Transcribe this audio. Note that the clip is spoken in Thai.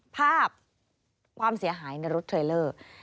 ภาพความเสียหายในรถเทรลเลอร์